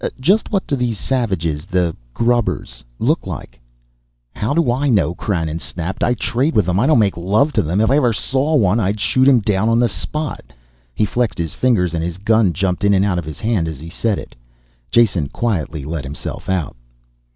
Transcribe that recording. "Just what do these savages the grubbers look like?" "How do I know," Krannon snapped. "I trade with them, I don't make love to them. If I ever saw one, I'd shoot him down on the spot." He flexed his fingers and his gun jumped in and out of his hand as he said it. Jason quietly let himself out.